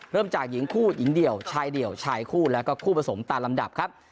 เริ่มจากหญิงคู่หญิงเดี่ยวชายเดี่ยวชายคู่แล้วก็คู่ผสมตามลำดับครับ